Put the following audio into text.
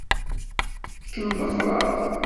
Ad kem-ḍefṛeɣ.